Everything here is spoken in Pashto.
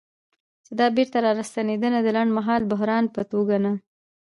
چې دا بیرته راستنېدنه د لنډمهاله بحران په توګه نه